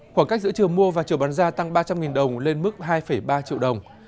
khoảng cách giữa trường mua và trường bán da tăng ba trăm linh đồng lên mức hai ba triệu đồng